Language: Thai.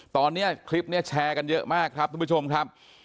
ตอนนี้คลิปนี้แชร์กันเยอะมากครับทุกผู้ชมครับ